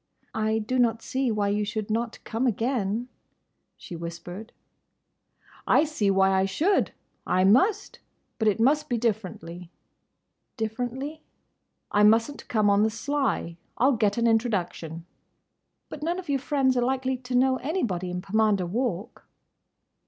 "I do not see why you should not come again," she whispered. "I see why I should! I must!—But it must be differently." "Differently—?" "I mustn't come on the sly. I'll get an introduction." "But none of your friends are likely to know anybody in Pomander Walk!"